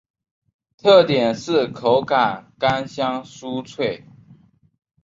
特点是口感干香酥脆。